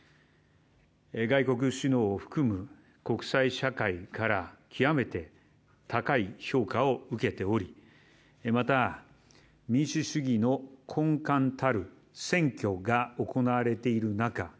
外国首脳を含む国際社会から極めて高い評価を受けておりまた、民主主義の根幹たる選挙が行われている中